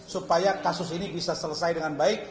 supaya kasus ini bisa selesai dengan baik